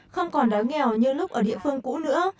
không còn đói nghèo như lúc ở địa phương cũ nữa